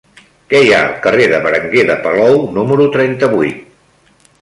Què hi ha al carrer de Berenguer de Palou número trenta-vuit?